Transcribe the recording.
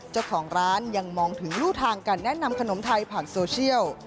เจ้าของร้านยังมองถึงรูทางการแนะนำขนมไทยผ่านโซเชียล